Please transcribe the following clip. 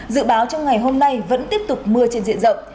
dự báo trong ngày hôm nay vẫn tiếp tục mưa trên diện rộng